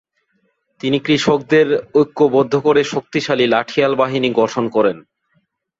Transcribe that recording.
তিনি কৃষকদের ঐক্যবদ্ধ করে শক্তিশালী লাঠিয়াল বাহিনী গঠন করেন।